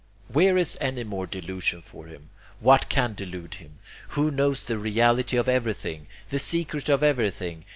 ... Where is any more delusion for him? What can delude him? He knows the reality of everything, the secret of everything.